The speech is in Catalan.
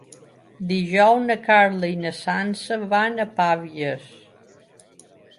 Dijous na Carla i na Sança van a Pavies.